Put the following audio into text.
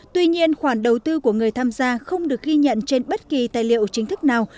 tuy nhiên khoản đầu tư của người tham gia không được ghi nhận trên bất kỳ tài liệu chính thức nào